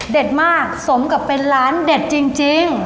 มากสมกับเป็นร้านเด็ดจริง